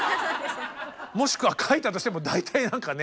もしくは書いたとしても大体何かね